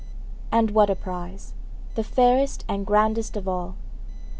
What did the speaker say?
And what a prize, the fairest and grandest of all!